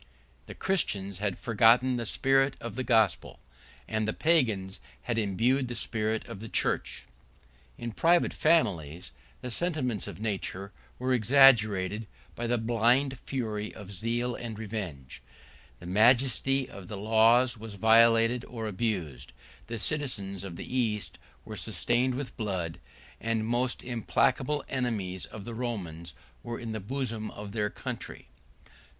The Christians had forgotten the spirit of the gospel; and the Pagans had imbibed the spirit of the church. In private families, the sentiments of nature were extinguished by the blind fury of zeal and revenge: the majesty of the laws was violated or abused; the cities of the East were stained with blood; and the most implacable enemies of the Romans were in the bosom of their country.